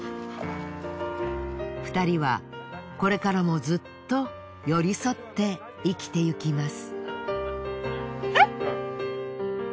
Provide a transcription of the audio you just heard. ２人はこれからもずっと寄り添って生きてゆきます。